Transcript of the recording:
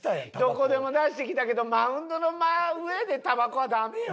どこでも出してきたけどマウンドの真上でたばこはダメよ。